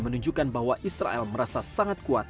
menunjukkan bahwa israel merasa sangat kuat